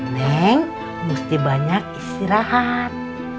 neng mesti banyak istirahat